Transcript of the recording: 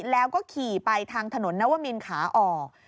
แล้วก็ขี่ไปทางถนนนวมินขาออก